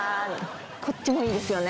こっちもいいですよね